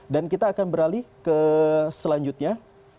dan kita akan beralih ke selanjutnya